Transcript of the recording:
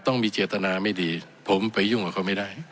ต้องมีเจตนาไม่ดีผมไปยุ่งกับเขาไม่ได้